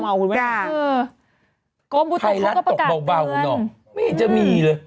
ก็บุตุของเขาก็ประกาศเตือนไทยรัฐตกเบานะไม่เห็นจะมีเลย